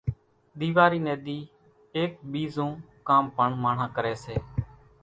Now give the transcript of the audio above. ۮيواري نين ۮي ايڪ ٻيزون ڪام پڻ ماڻۿان ڪري سي